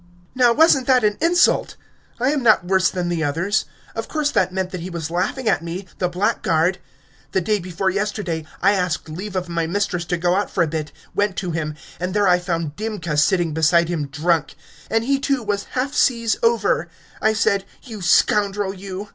"Now, wasn't that an insult? I am not worse than the others. Of course that meant that he was laughing at me, the blackguard. The day before yesterday I asked leave of my mistress to go out for a bit, went to him, and there I found Dimka sitting beside him drunk. And he, too, was half seas over. I said, 'You scoundrel, you!'